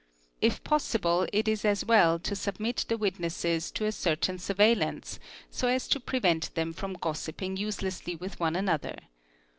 If possible it is as well to submit the witnesses to a cen ain surveillance so as to prevent them from gossiping uselessly with another.